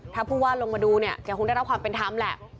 ถ้าผู้ว่าลงมาดูเนี่ยแกคงได้รับความเป็นธรรมแหละ